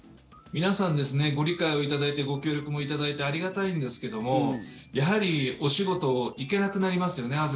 皆さんご理解をいただいてご協力もいただいてありがたいんですけどもやはりお仕事行けなくなりますよね。